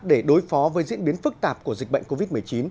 để đối phó với diễn biến phức tạp của dịch bệnh covid một mươi chín